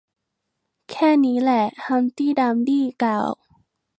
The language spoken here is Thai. แค่นี้ล่ะ ฮัมพ์ตี้ดัมพ์ตี้กล่าว